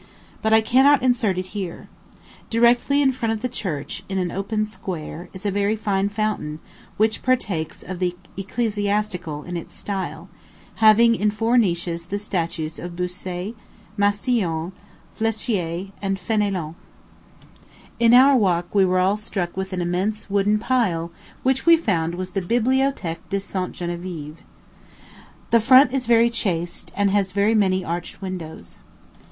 But I cannot insert it here. Directly in front of the church, in an open square, is a very fine fountain, which partakes of the ecclesiastical in its style having in four niches the statues of Bossuet, Massillon, Fléchier, and Fénélon. In our walk we were all struck with an immense wooden pile, which we found was the Bibliothèque St. Geneviéve. The front is very chaste, and has very many arched windows.